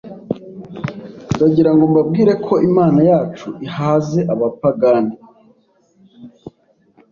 Ndagirango mbabwire ko Imana yacu ihaze abapagani